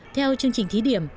theo chương trình thí điểm